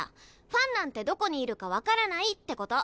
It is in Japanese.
ファンなんてどこにいるか分からないってこと。